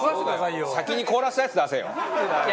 バカリズム：先に凍らせたやつ出せよ。